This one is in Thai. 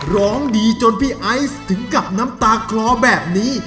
ร้องดีจนพี่ไอซ์ถึงกับน้ำตาคลอแบบนี้